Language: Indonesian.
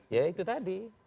ya itu tadi